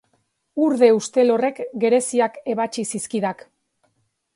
Urde ustel horrek gereziak ebatsi zizkidak!